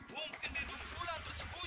mungkin di rumah kubuk itu